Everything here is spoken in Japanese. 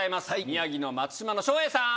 宮城の松島の照英さん！